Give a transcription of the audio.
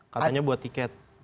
katanya buat tiket